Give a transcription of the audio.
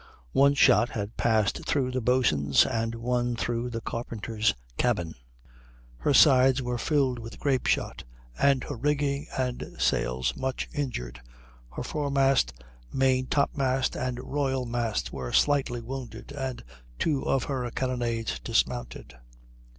One shot had passed through the boatswain's and one through the carpenter's cabin; her sides were filled with grape shot, and her rigging and sails much injured; her foremast, main top mast, and royal masts were slightly wounded, and two of her carronades dismounted.